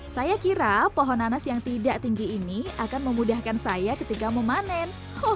saya kira pohon nanas yang tidak tinggi ini akan memudahkan saya ketika memanen